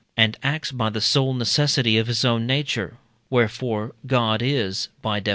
and acts by the sole necessity of his own nature, wherefore God is (by Def.